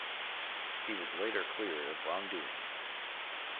He was later cleared of wrongdoing.